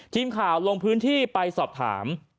ทีมข่าวลงพื้นที่ไปสอบถาม